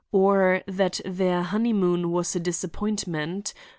or that their honeymoon was a disappointment!